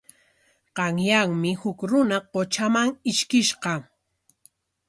Qanyanmi huk runa qutraman ishkishqa.